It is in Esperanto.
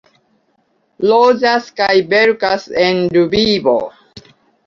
Loĝas kaj verkas en Lvivo.